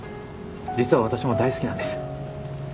実は私も大好きなんです。